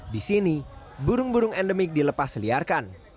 di sini burung burung endemik dilepas liarkan